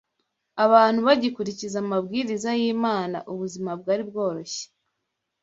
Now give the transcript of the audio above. abantu bagikurikiza amabwiriza y’Imana ubuzima bwari bworoshye